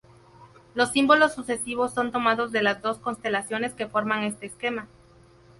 Los símbolos sucesivos son tomados de las dos constelaciones que forman este esquema.